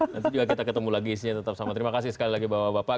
nanti juga kita ketemu lagi isinya tetap sama terima kasih sekali lagi bapak bapak